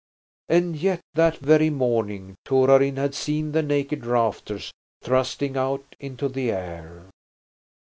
And yet that very morning Torarin had seen the naked rafters thrusting out into the air.